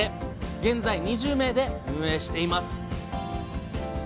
現在２０名で運営しています